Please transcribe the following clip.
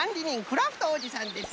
クラフトおじさんです。